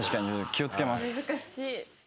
気を付けます。